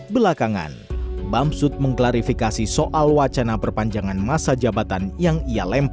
belakangan bamsud mengklarifikasi soal wacana perpanjangan masa jabatan yang ia lempar